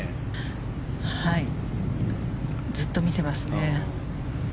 ずっと見てますね。